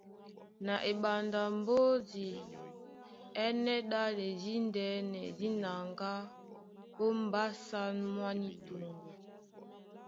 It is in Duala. Na eɓanda a mbódi é ɛ́nɛ́ ɗále díndɛ́nɛ dí naŋgá ó mbásǎn mwá ní toŋgo.